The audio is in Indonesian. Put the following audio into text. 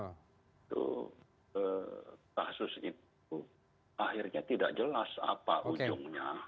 itu kasus itu akhirnya tidak jelas apa ujungnya